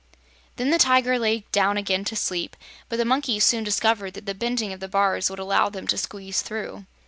Then the Tiger lay down again to sleep, but the monkeys soon discovered that the bending of the bars would allow them to squeeze through.